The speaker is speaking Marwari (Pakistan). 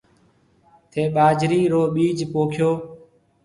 ٿَي ٻاجَرِي رو ٻِيج پوکيو۔